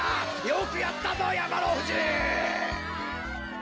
よくやったぞやまのふじ！